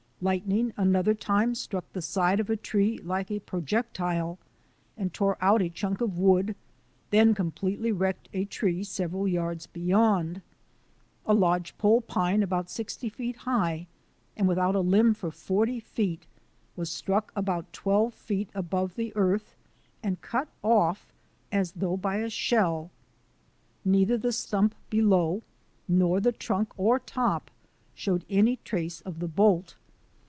Lightning another time struck the side of a tree like a projectile and tore out a chunk of wood, then completely wrecked a tree sev eral yards beyond. A lodgepole pine about sixty feet high, and without a limb for forty feet, was struck about twelve feet above the earth and cut off as though by a shell. Neither the stump below nor the trunk or top showed any trace of the bolt.